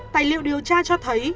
tài liệu điều tra cho thấy